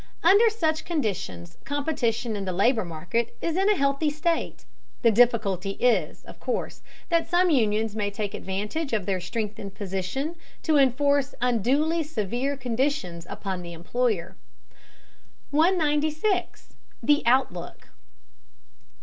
Under such conditions competition in the labor market is in a healthy state. The difficulty is, of course, that some unions may take advantage of their strengthened position to enforce unduly severe conditions upon the employer. 196. THE OUTLOOK.